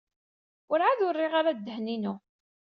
Werɛad ur rriɣ ara ddehn-inu.